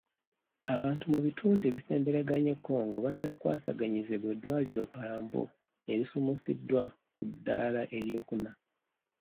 Abantu mu bitundu ebisembereganye Congo bajja kukwasaganyizibwa eddwaliro lya Parambo erisuumuusiddwa ku ddaala ery'okuna.